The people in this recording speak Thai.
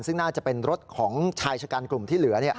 ซึ่งน่าจะเป็นรถของชายชะกันกลุ่มที่เหลือ